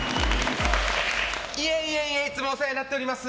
いえいえいつもお世話になっております。